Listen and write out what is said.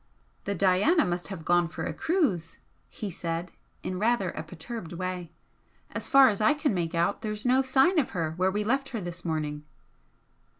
"The 'Diana' must have gone for a cruise," he said, in rather a perturbed way "As far as I can make out, there's no sign of her where we left her this morning."